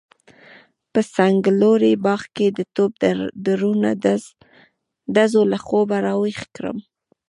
په څنګلوري باغ کې د توپ درنو ډزو له خوبه راويښ کړم.